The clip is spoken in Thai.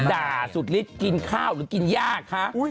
ด่าสุดฤทธิ์กินข้าวหรือกินยากคะ